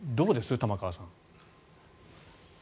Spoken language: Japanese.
玉川さん。